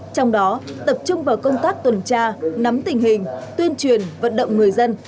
trong đó tập trung vào công tác tuần tra nắm tình hình tuyên truyền vận động người dân